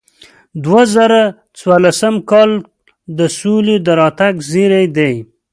دوه زره څوارلسم کال د سولې د راتګ زیری دی.